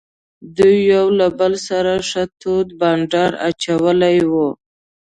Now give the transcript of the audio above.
دوی یو له بل سره ښه تود بانډار اچولی وو.